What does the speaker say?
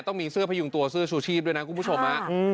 ต้องมีเสื้อพยุงตัวเสื้อชูชีพด้วยนะคุณผู้ชม